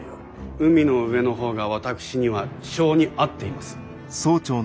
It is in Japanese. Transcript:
海の上の方が私には性に合っています。